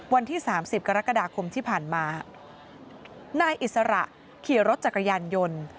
วันที่สามสิบกรกฎาคมที่ผ่านมานายอิสระขี่รถจักรยานยนต์